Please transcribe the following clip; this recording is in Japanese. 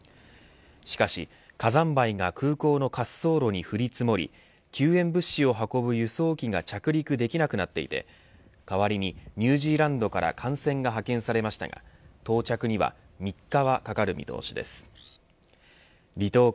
しかし、火山灰が空港の滑走路に降り積もり救援物資を運ぶ輸送機が着陸できないため代わりにニュージーランドから艦船が派遣されましたが到着には３日はかかる見通しです。